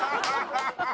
ハハハハ！